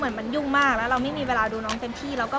มาให้กรุงเทพฯคงสั่งเป็นทุกอย่าง